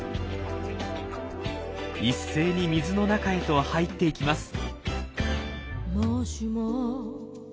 一斉に水の中へと入っていきます。